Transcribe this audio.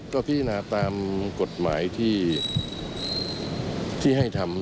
ก็พิจารณาตามกฎหมายที่ให้ทำ